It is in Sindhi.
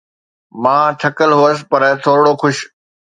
مان ٿڪل هئس پر ٿورڙو خوش.